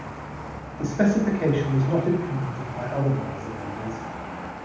The specification was not implemented by other browser vendors.